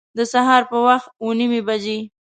د سهار په وخت اوه نیمي بجي